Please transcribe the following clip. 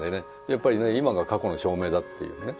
やっぱりね今が過去の証明だっていうね